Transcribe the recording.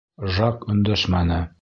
Жак өндәшмәне.